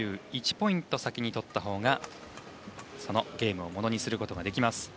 ２１ポイント、先に取った方がそのゲームをものにすることができます。